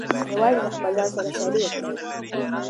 یوازې له خپل ځان سره سیالي وکړئ.